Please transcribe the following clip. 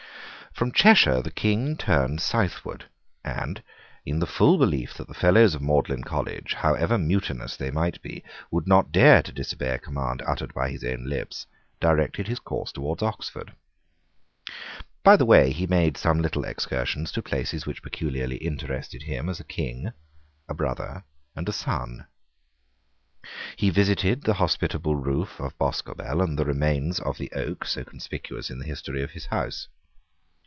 From Cheshire the King turned southward, and, in the full belief that the Fellows of Magdalene College, however mutinous they might be, would not dare to disobey a command uttered by his own lips, directed his course towards Oxford. By the way he made some little excursions to places which peculiarly interested him, as a King, a brother, and a son. He visited the hospitable roof of Boscobel and the remains of the oak so conspicuous in the history of his house.